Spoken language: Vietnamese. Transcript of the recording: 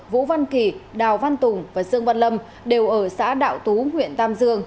vũ văn kỳ đào văn tùng và dương văn lâm đều ở xã đạo tú huyện tam dương